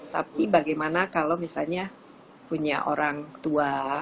tapi bagaimana kalau misalnya punya orang tua